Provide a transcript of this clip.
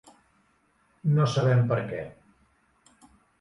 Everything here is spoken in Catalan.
No sabem per què.